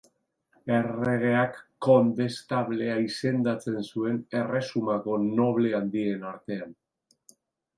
Erregeak Kondestablea izendatzen zuen erresumako noble handien artean.